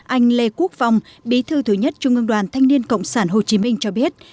anh lê quốc phong bí thư thứ nhất trung ương đoàn thanh niên cộng sản hồ chí minh cho biết